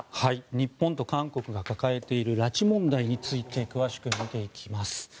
日本と韓国が抱えている拉致問題について詳しく見ていきます。